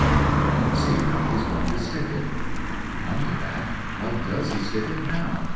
I don't see how he's goin' to stick it." "Come to that, how does he stick it now